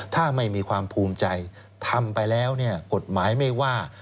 ถ้าไม่มีความภูมิใจทำไปแล้วเนี่ยกฎหมายไม่ว่า